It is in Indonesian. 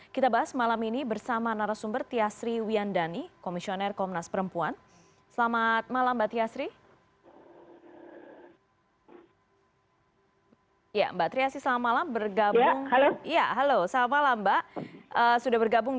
kita bahas malam ini bersama narasumber tiasri wiyandani komisioner komnas perempuan